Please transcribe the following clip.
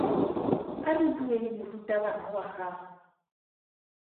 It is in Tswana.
A re bueng morutabana wa gago.